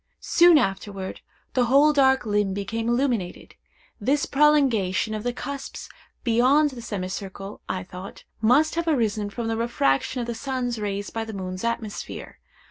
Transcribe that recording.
Soon afterward, the whole dark limb became illuminated. This prolongation of the cusps beyond the semicircle, I thought, must have arisen from the refraction of the sun's rays by the moon's atmosphere.